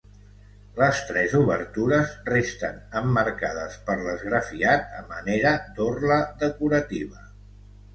Les tres obertures resten emmarcades per l'esgrafiat a manera d'orla decorativa.